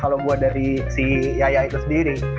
kalau buat dari si yaya itu sendiri